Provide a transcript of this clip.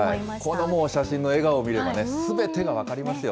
この写真の笑顔を見ればすべてが分かりますよ。